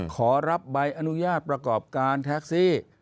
ขอรับใบอนุญาตประกอบการแท็กซี่